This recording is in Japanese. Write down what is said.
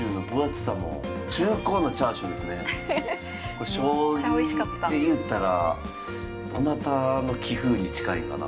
これしょうゆでいうたらどなたの棋風に近いんかな。